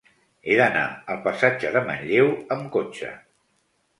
He d'anar al passatge de Manlleu amb cotxe.